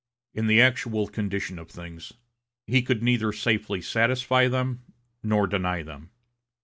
In the actual condition of things, he could neither safely satisfy them nor deny them.